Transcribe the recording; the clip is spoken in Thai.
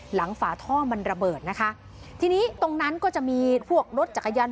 ฝาท่อมันระเบิดนะคะทีนี้ตรงนั้นก็จะมีพวกรถจักรยาน